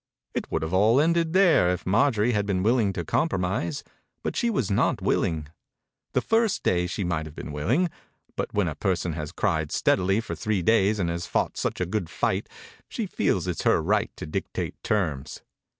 It would have all ended there if Marjorie had been willing to compromise, but she was not willing. The first day she might have been willing, but when a person has cried steadily for three days and has fought such a good fight, she feels it her right to dictate terms.